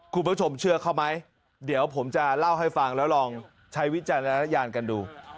คุณผู้ชมเชื่อเขาไหมเดี๋ยวผมจะเล่าให้ฟังแล้วลองใช้วิจารณญาณกันดู